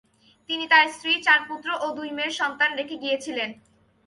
তিনি তার স্ত্রী, চার পুত্র ও দুই মেয়ে সন্তান রেখে গিয়েছিলেন।